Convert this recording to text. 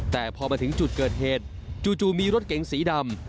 แต่พอมาถึงจุดเกิดเหตุจู่มีรถเก๋งสีดำ